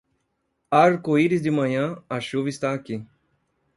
Arco-íris de manhã, a chuva está aqui.